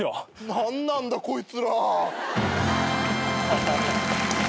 何なんだこいつら。